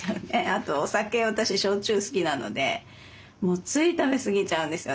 あとお酒私焼酎好きなのでつい食べ過ぎちゃうんです。